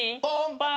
パン。